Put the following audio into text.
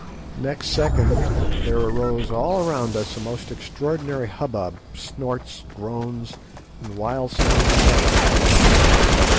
Next second there arose all around us a most extraordinary hubbub, snorts, groans, and wild sounds of rushing feet.